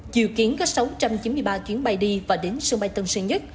dự kiến có sáu trăm chín mươi ba chuyến bay đi và đến sân bay tân sơn nhất